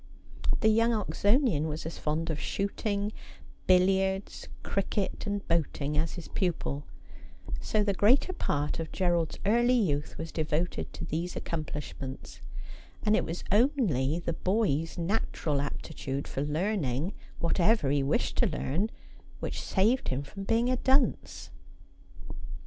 The young Oxonian was as fond of shooting, billiards, cricket, and boating as his pupil ; so the greater part of Gerald's early youth was devoted to these accomplishments ; and it was only the boy's natural aptitude for learning whatever he wished to learn which saved him from being a dunce.